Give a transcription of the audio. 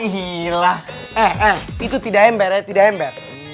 eh eh itu tidak ember ya tidak ember